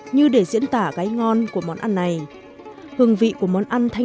như để diễn tả cái ngon của món ăn này